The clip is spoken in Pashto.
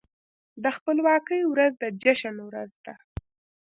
د خپلواکۍ ورځ د جشن ورځ ده.